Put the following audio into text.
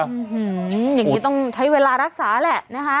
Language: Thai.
อย่างนี้ต้องใช้เวลารักษาแหละนะคะ